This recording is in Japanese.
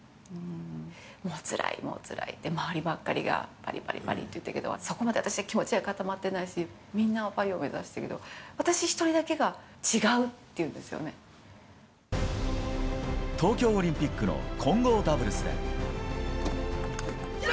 もうつらい、もうつらいって、周りばっかりがパリパリパリって言ってるけど、そこまで私の気持ちは固まってないし、みんな、パリを目指してるけど、私１人だ東京オリンピックの混合ダブルスで。